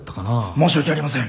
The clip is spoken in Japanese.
申し訳ありません。